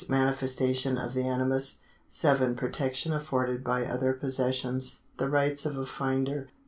Manifestation of the animus. 7. Protection afforded by other possessions. The rights of a finder.